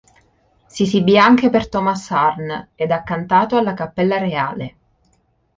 Si esibì anche per Thomas Arne ed ha cantato alla Cappella Reale.